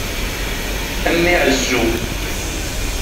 A mmi ɛezzu!